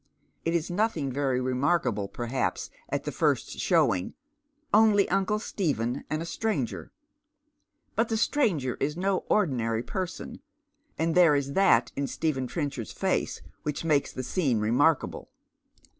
It is nothing very remarkable, perhaps, at the first showing, only uncle Stephen and a stranger ; but the stranger is no ordinary person, and there is that in Stephen Trenchard's face which makes the scene remarkable.